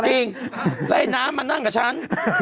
จริงแล้วให้น้ำมานั่งกับฉัน